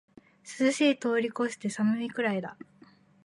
涼しいを通りこして寒いくらいだ